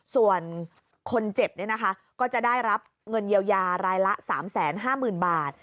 ส่วนคนเจ็บก็จะได้รับเงินเยียวยารายละ๓๕๐๐๐บาท